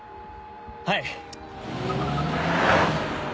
はい！